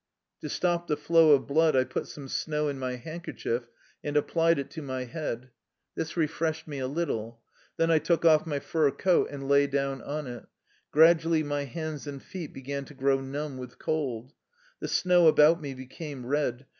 To stop the flow of blood, I put some snow in my handkerchief and applied it to my head. This refreshed me a little. Then I took off my fur coat and lay down on it. Gradually my hands and feet began to grow numb with cold. The snow about me became red.